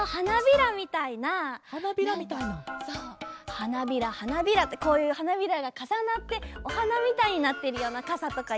はなびらはなびらってこういうはなびらがかさなっておはなみたいになってるようなかさとかいいかな。